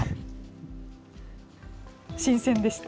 新鮮でした。